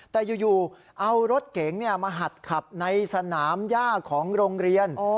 แต่อยู่เอารถเก๋งมาหัดขับในสนามย่าของโรงเรียน